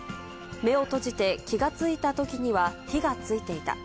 目を閉じて気がついたときには火がついていた。